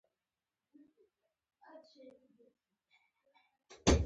په مقابل کې يې ملت او مملکت د سلهاوو ملیاردو ډالرو تاوان وليد.